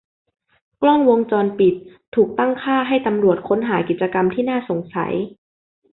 กล้องวงจรปิดถูกตั้งค่าให้ตำรวจค้นหากิจกรรมที่น่าสงสัย